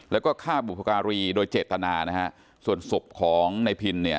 แล้วก็ฆ่าบุพการีโดยเจตนานะฮะส่วนศพของในพินเนี่ย